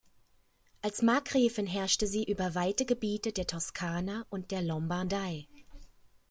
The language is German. Als Markgräfin herrschte sie über weite Gebiete der Toskana und der Lombardei.